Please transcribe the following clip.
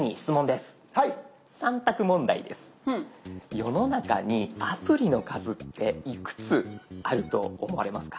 世の中にアプリの数っていくつあると思われますか？